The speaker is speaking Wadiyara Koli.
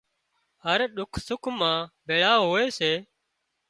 هر ڏک سُک مان ڀيۯان هوئي سي